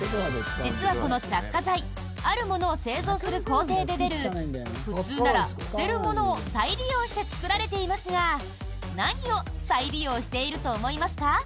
実はこの着火剤あるものを製造する工程で出る普通なら捨てるものを再利用して作られていますが何を再利用していると思いますか？